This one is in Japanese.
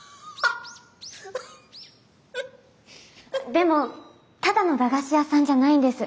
でもただの駄菓子屋さんじゃないんです。